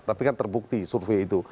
tapi kan terbukti survei itu